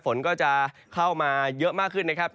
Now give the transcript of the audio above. ฝนก็จะเข้ามาเยอะมากขึ้นนะครับ